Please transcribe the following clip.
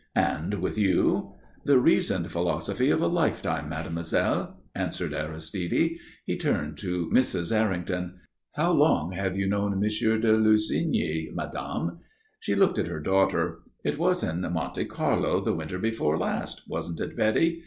"And with you?" "The reasoned philosophy of a lifetime, mademoiselle," answered Aristide. He turned to Mrs. Errington. "How long have you known Monsieur de Lussigny, madame?" She looked at her daughter. "It was in Monte Carlo the winter before last, wasn't it, Betty?